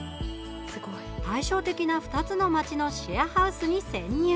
対照的な２つの街のシェアハウスに潜入。